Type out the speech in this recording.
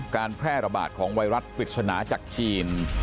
การแพร่ระบาดของไวรัสปริศนาจากจีน